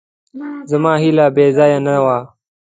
زما هیله بېځایه نه وه.